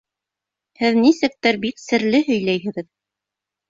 — Һеҙ нисектер бик серле һөйләйһегеҙ.